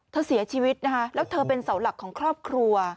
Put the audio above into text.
เสียชีวิตนะคะแล้วเธอเป็นเสาหลักของครอบครัว